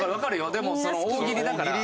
でも大喜利だから。